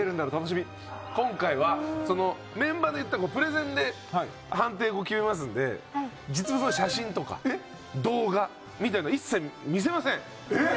今回はメンバーで言ったらプレゼンで判定決めますんで実物の写真とか動画みたいの一切見せません。